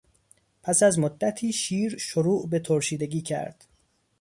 پس از مدتی شیر شروع به ترشیدگی کرد.